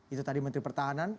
itu tadi menteri pertahanan